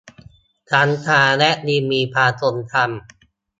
ทั้งช้างและลิงมีความทรงจำ